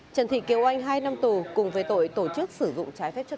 trần thị kiều anh hai năm tù cùng với tội tổ chức sử dụng